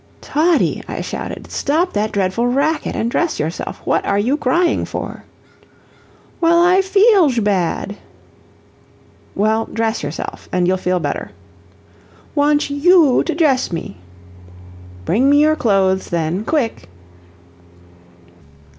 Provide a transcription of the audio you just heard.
"Toddie," I shouted, "stop that dreadful racket, and dress yourself. What are you crying for?" "Well, I feelsh bad." "Well, dress yourself, and you'll feel better." "Wantsh YOU to djesh me." "Bring me your clothes, then quick!"